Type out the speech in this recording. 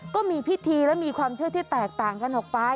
ก็มีพิธีและมีความเชื่อที่แตกต่างกันออกไป